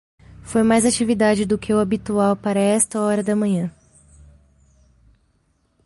Foi mais atividade do que o habitual para esta hora da manhã.